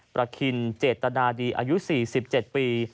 ประคินเจตนาดีอายุ๔๗ปี